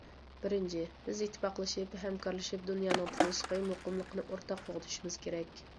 بىرىنچى، بىز ئىتتىپاقلىشىپ، ھەمكارلىشىپ، دۇنيانىڭ تىنچلىقى، مۇقىملىقىنى ئورتاق قوغدىشىمىز كېرەك.